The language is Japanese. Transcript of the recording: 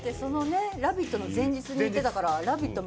「ラヴィット！」の前日にいってたから、「ラヴィット！」